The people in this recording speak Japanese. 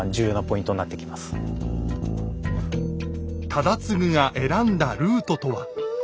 忠次が選んだルートとは？